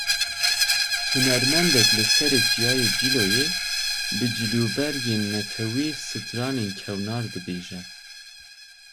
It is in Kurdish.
Hunermendek li serê Çiyayê Cîloyê bi cilûbergên netewî stranên kevnar dibêje.